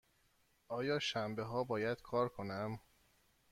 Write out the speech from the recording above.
آیا شنبه ها باید کار کنم؟